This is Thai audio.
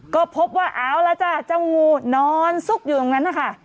ก็พบว่าอ้าวแล้วจ้าเจ้างูนอนซุกอยู่ตรงนั้นค่ะ